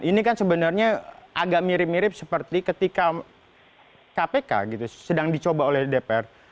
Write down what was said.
ini kan sebenarnya agak mirip mirip seperti ketika kpk gitu sedang dicoba oleh dpr